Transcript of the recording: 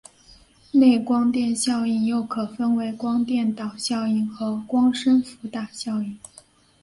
内光电效应又可分为光电导效应和光生伏打效应。